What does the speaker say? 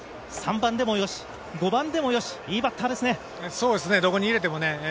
３番でもよし、５番でもよし、いいバッターですね。